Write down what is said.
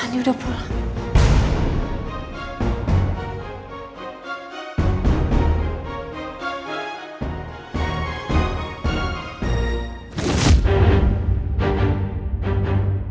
andi udah pulang